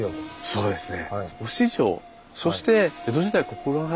そうですね。